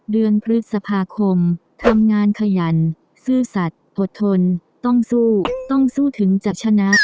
เดือนพฤษภาคมทำงานขยันซื่อสัตว์อดทนต้องสู้ต้องสู้ถึงจะชนะ